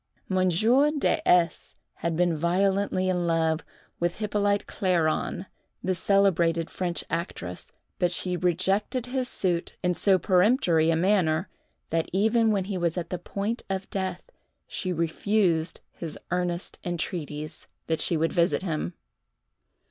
Monsieur De S. had been violently in love with Hippolyte Clairon, the celebrated French actress, but she rejected his suit, in so peremptory a manner, that even when he was at the point of death, she refused his earnest entreaties, that she would visit him.